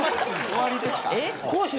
終わりですか？